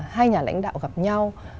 hai nhà lãnh đạo gặp nhau